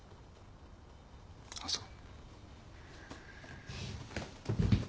あっそう。